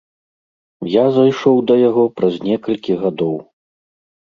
Я зайшоў да яго праз некалькі гадоў.